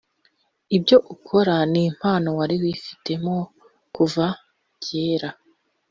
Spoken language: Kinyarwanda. ibyo ukora n’impano wari wifitemo kuva kera!